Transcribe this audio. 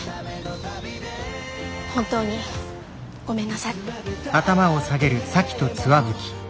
本当にごめんなさい。